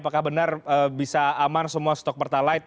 apakah benar bisa aman semua stok pertalite